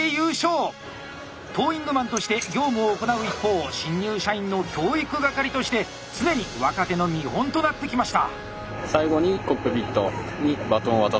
トーイングマンとして業務を行う一方新入社員の教育係として常に若手の見本となってきました。